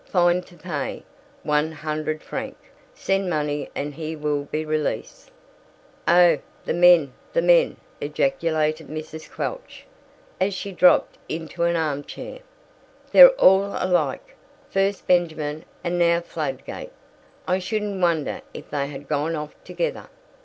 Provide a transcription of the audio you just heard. Fine to pay, one hundred franc. Send money and he will be release." "Oh, the men, the men!" ejaculated Mrs. Quelch, as she dropped into an arm chair. "They're all alike. First Benjamin, and now Fladgate! I shouldn't wonder if they had gone off together."